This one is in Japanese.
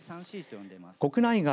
国内外